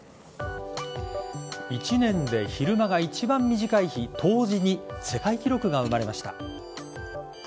１年で昼間が一番短い日冬至に世界記録が生まれました。